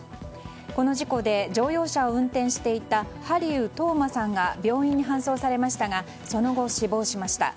この事故で乗用車を運転していた針生透磨さんが病院に搬送されましたがその後、死亡しました。